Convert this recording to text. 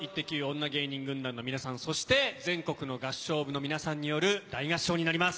女芸人軍団の皆さん、そして全国の合唱部の皆さんによる大合唱です。